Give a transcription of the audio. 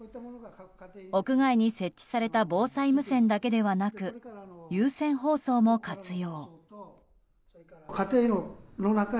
屋外に設置された防災無線だけではなく有線放送も活用。